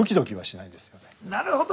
なるほど。